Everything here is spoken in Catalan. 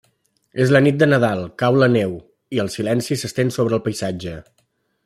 És la Nit de Nadal, cau la neu i el silenci s'estén sobre el paisatge.